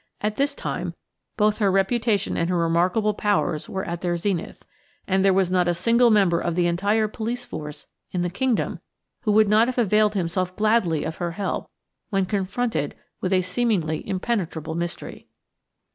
At this time both her reputation and her remarkable powers were at their zenith, and there was not a single member of the entire police force in the kingdom who would not have availed himself gladly of her help when confronted with a seemingly impenetrable mystery.